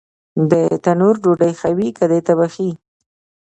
د تنور ډوډۍ ښه وي که د تبخي؟